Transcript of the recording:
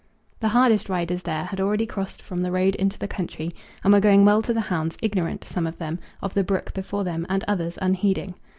The hardest riders there had already crossed from the road into the country, and were going well to the hounds, ignorant, some of them, of the brook before them, and others unheeding.